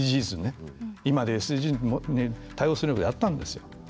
今でいうＳＤＧｓに対応することをやったんですよ。